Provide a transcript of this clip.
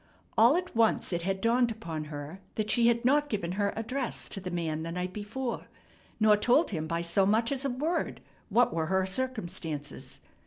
All at once it had dawned upon her that she had not given her address to the man the night before, nor told him by so much as a word what were her circumstances.